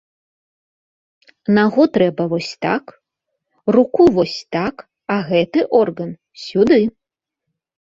Нагу трэба вось так, руку вось так, а гэты орган сюды.